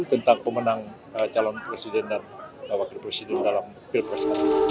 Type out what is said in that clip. tentang kemenangan calon presiden dan wakil presiden dalam pilpres